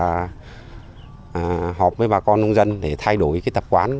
phối hợp với bà con nông dân để thay đổi cái tập quán